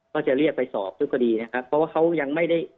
ก็จะเรียกไปสอบทุกคดีนะครับเพราะว่าเขายังไม่ได้